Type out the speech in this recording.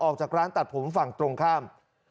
ออกจากร้านตัดผมฝั่งตรงข้าม